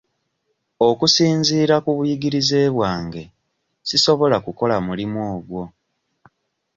Okusinziira ku buyigirize bwange sisobola kukola mulimu ogwo.